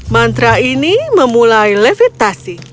mantra ini memulai levitasi